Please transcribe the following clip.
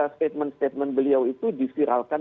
statement statement beliau itu diviralkan